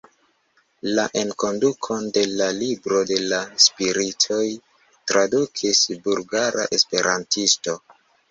La enkondukon de La Libro de la Spiritoj tradukis bulgara esperantisto.